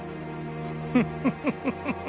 フフフフ。